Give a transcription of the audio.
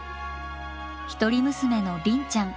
一人娘の鈴ちゃん。